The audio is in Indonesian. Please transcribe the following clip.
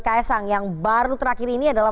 ks sang yang baru terakhir ini adalah